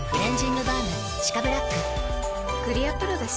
クリアプロだＣ。